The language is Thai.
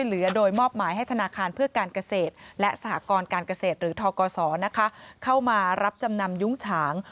และสหกรการเกษตรหรือทกศนะคะเข้ามารับจำนำยุ่งฉาง